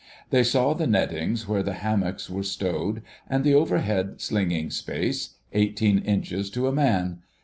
They saw the nettings where the hammocks were stowed, and the overhead slinging space—eighteen inches to a man!